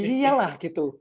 iya lah gitu